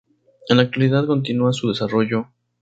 En la actualidad continúa su desarrollo.